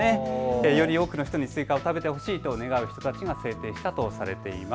より多くの人にスイカを食べてほしいと願う人たちが制定したとされています。